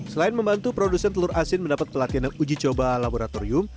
selain membantu produsen telur asin mendapat pelatihan dan uji coba laboratorium